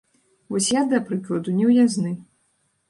Вось, я, да прыкладу, неўязны.